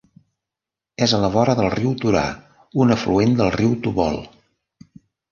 És a la vora del riu Turà, un afluent del riu Tobol.